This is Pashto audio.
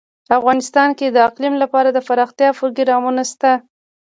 افغانستان کې د اقلیم لپاره دپرمختیا پروګرامونه شته.